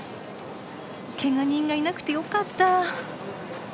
けが人がいなくてよかった！